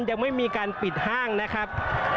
ยังไม่มีการปิดห้างนะครับ